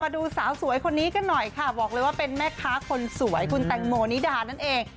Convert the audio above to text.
ดูสาวสวยคนนี้กันหน่อยค่ะบอกเลยว่าเป็นแม่ค้าคนสวยคุณแตงโมนิดานั่นเอง